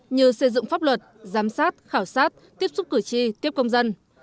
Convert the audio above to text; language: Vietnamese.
như xây dựng pháp luật giám sát khảo sát tiếp xúc cử tri tiếp công dân